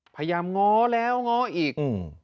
พยายามง้อแล้วง้ออีก